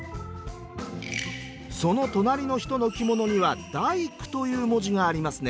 その隣の人の着物には「大工」という文字がありますね。